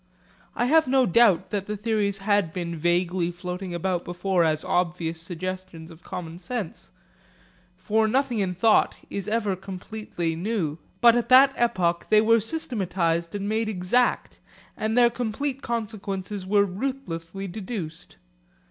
I have no doubt that the theories had been vaguely floating about before as obvious suggestions of common sense; for nothing in thought is ever completely new. But at that epoch they were systematised and made exact, and their complete consequences were ruthlessly deduced.